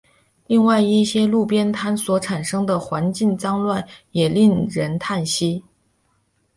另外一些路边摊所产生的环境脏乱也令为之叹息。